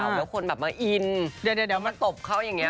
แล้วคนแบบมาอินมาตบเขาอย่างนี้